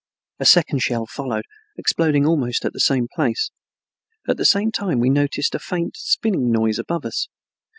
A second shell followed, exploding almost at the same place. At the same time, we noticed a faint spinning noise above us.